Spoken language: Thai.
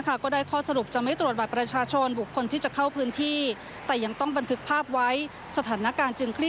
ก็ได้ข้อสรุปจะไม่ตรวจบัตรประชาชนบุคคลที่จะเข้าพื้นที่แต่ยังต้องบันทึกภาพไว้สถานการณ์จึงคลี่